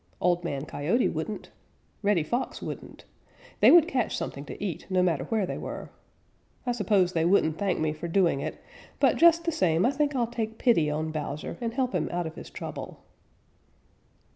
Old Man Coyote wouldn't. Reddy Fox wouldn't. They would catch something to eat, no matter where they were. I suppose they wouldn't thank me for doing it, but just the same I think I'll take pity on Bowser and help him out of his trouble."